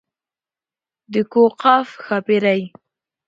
د کوه قاف ښاپېرۍ.